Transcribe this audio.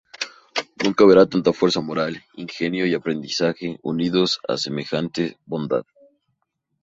Nunca verá tanta fuerza moral, ingenio y aprendizaje unidos a semejante bondad".